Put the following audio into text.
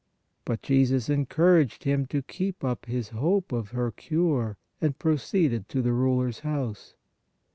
But Jesus encouraged him to keep up his hope of her cure and proceeded to the ruler s house.